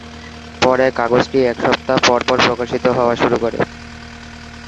পরে, কাগজটি এক সপ্তাহ পরপর প্রকাশিত হওয়া শুরু করে।